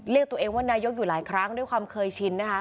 เรียกตัวเองว่านายกอยู่หลายครั้งด้วยความเคยชินนะคะ